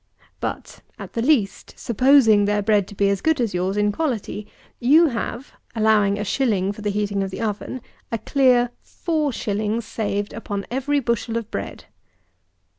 But, at the least, supposing their bread to be as good as yours in quality, you have, allowing a shilling for the heating of the oven, a clear 4_s._ saved upon every bushel of bread.